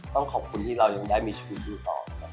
ต้องขอบคุณที่เรายังได้มีชีวิตอยู่ต่อ